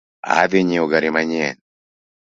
Adhii nyieo gari manyien